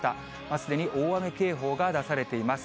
すでに大雨警報が出されています。